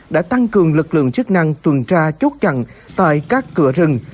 đã tăng cường lực lượng chức năng tuần tra chốt chặn tại các cửa rừng